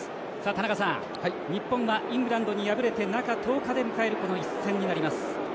田中さん、日本はイングランドに敗れて中１０日で迎えるこの一戦になります。